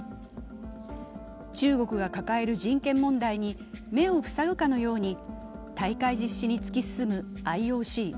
中国が抱える人権問題に目を塞ぐかのように大会実施に突き進むＩＯＣ。